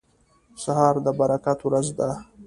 سهار د برکت وریځ ده.